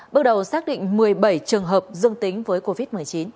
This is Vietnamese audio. bước đầu xác định một mươi bảy trường hợp dương tính với covid một mươi chín